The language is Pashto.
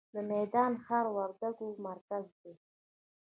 د میدان ښار د وردګو مرکز دی